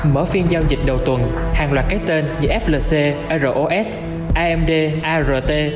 mở phiên giao dịch đầu tuần hàng loạt cái tên như flc ros amd art